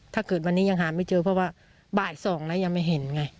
ถ้าเกิดวันนี้ยังหาไม่เจอเพราะว่าบ่าย๒แล้วยังไม่เห็นไง